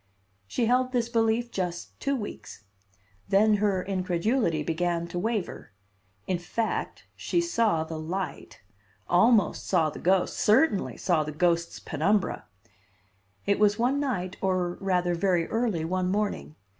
She held this belief just two weeks. Then her incredulity began to waver. In fact, she saw the light; almost saw the ghost, certainly saw the ghost's penumbra. It was one night, or rather very early, one morning.